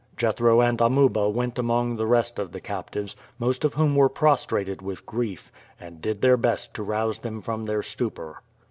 Jethro and Amuba went among the rest of the captives, most of whom were prostrated with grief, and did their best to rouse them from their stupor.